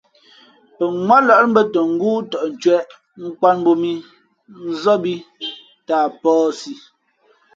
Pαŋwátlάʼ bᾱ tα ngóó tαʼ ncwēʼ, nkwāt mbōb mǐ, nzób ī tα a pᾱαsi.